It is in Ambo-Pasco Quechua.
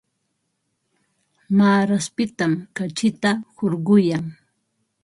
Maaraspitam kachita hurquyan.